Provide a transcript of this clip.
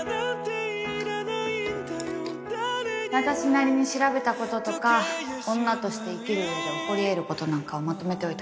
私なりに調べたこととか女として生きる上で起こり得ることなんかをまとめておいたから